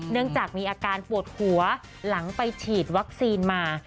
เนื่องจากมีอาการปวดหัวหลังไปฉีดวัคซีนมา